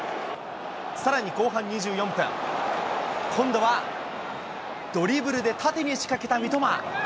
さらに後半２４分、今度はドリブルで縦に仕掛けた三笘。